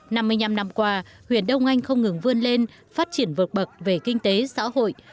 năm mươi năm năm qua huyện đông anh không ngừng vươn lên phát triển vượt bậc về kinh tế xã hội